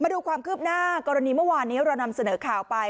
ดูความคืบหน้ากรณีเมื่อวานนี้เรานำเสนอข่าวไป